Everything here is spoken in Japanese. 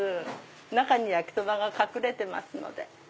中に焼きそばが隠れてますので。